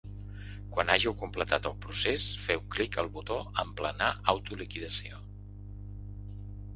Quan hàgiu completat el procés, feu clic al botó “Emplenar autoliquidació”.